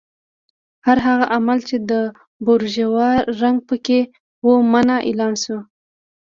هر هغه عمل چې د بورژوا رنګ پکې و منع اعلان شو.